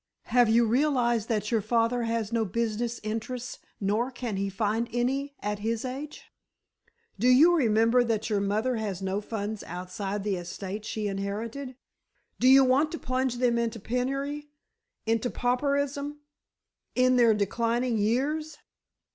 Have you realized that your father has no business interests nor can he find any at his age? Do you remember that your mother has no funds outside the estate she inherited? Do you want to plunge them into penury, into pauperism, in their declining years?"